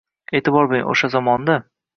E’tibor bering, o‘sha zamonda!